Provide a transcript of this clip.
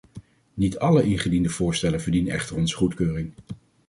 Niet alle ingediende voorstellen verdienen echter onze goedkeuring.